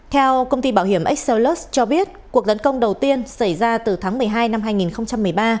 theo công ty bảo hiểm exellus cho biết cuộc tấn công đầu tiên xảy ra từ tháng một mươi hai năm hai nghìn một mươi ba